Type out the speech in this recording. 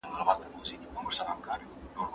تاسو ولي د نورو حقوق نه رعایت کوئ؟